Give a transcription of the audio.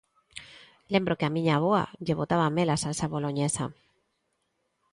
Lembro que a miña avoa lle botaba mel á salsa boloñesa.